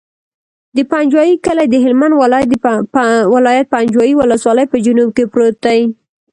د پنجوایي کلی د هلمند ولایت، پنجوایي ولسوالي په جنوب کې پروت دی.